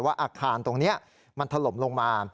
อาคารตรงนี้มันถล่มลงมา